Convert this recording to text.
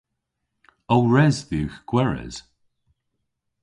O res dhywgh gweres?